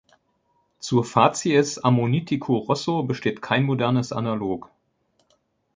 Zur Fazies Ammonitico Rosso besteht kein modernes Analog.